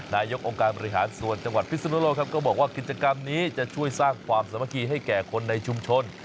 นายกองค์การบริหารส่วนจังหวัดพิศนุโลกครับก็บอกว่ากิจกรรมนี้จะช่วยสร้างความสามัคคีให้แก่คนในชุมชน